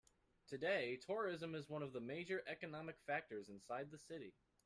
Today, tourism is one of the major economic factors inside the city.